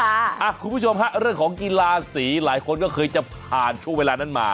คุณผู้ชมฮะเรื่องของกีฬาสีหลายคนก็เคยจะผ่านช่วงเวลานั้นมา